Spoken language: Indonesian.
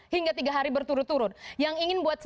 hingga tiga hari berturut turut